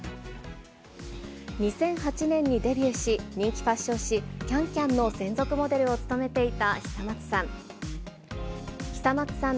２００８年にデビューし、人気ファッション誌、キャンキャンの専属モデルを務めていた久松さん。